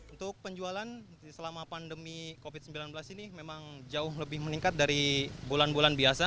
untuk penjualan selama pandemi covid sembilan belas ini memang jauh lebih meningkat dari bulan bulan biasa